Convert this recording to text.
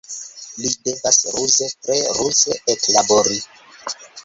Li devas ruze, tre ruze eklabori.